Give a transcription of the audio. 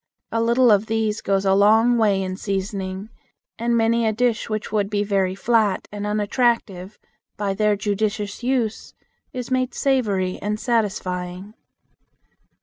A little of these goes a long way in seasoning, and many a dish which would be very flat and unattractive, by their judicious use is made savory and satisfying.